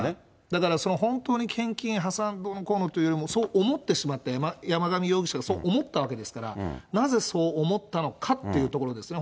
だから本当に献金、破産どうのこうのとそう思ってしまった、山上容疑者がそう思ったわけですから、なぜそう思ったのかっていうところですね。